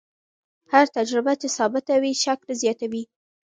هره تجربه چې ثابته وي، شک نه زیاتوي.